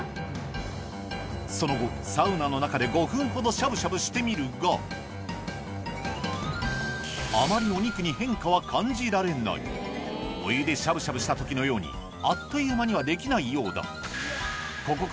その後サウナの中で５分ほどしゃぶしゃぶしてみるがあまりお肉に変化は感じられないお湯でしゃぶしゃぶした時のようにあっという間にはできないようだ